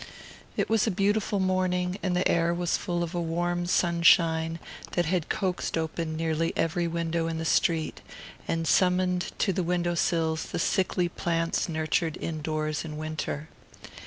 It was a beautiful morning, and the air was full of a warm sunshine that had coaxed open nearly every window in the street, and summoned to the window sills the sickly plants nurtured indoors in winter.